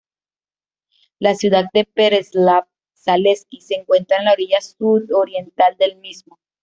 La ciudad de Pereslavl-Zaleski se encuentra en la orilla sudoriental del mismo.